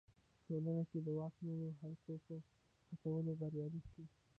په ټولنه کې د واک نورو حلقو په ماتولو بریالی شي.